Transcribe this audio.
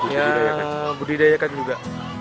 ya budidayakan juga